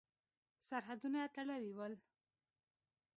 سرحدونه تړلي ول.